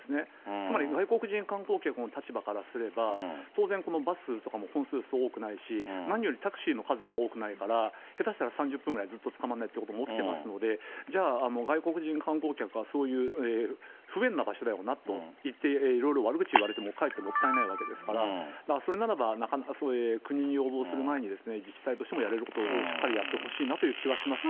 つまり外国人観光客の立場からすれば、当然、このバスとかも本数、そう多くないし、何よりタクシーの数が多くないから、下手したら３０分ぐらい、ずっとつかまらないということも起きてますので、じゃあ、外国人観光客は、そういう不便な場所だよなと言っていろいろ悪口言われてもかえってもったいないわけですから、それならば国に要望する前に自治体としても、やれることをしっかりやってほしいなという気はしますね。